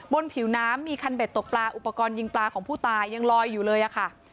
ผิวน้ำมีคันเบ็ดตกปลาอุปกรณ์ยิงปลาของผู้ตายยังลอยอยู่เลยอะค่ะ